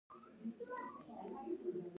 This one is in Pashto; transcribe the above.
دښتې د افغانانو د ګټورتیا برخه ده.